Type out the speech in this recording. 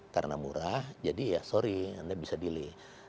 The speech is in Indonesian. karena murah jadi ya sorry anda bisa delay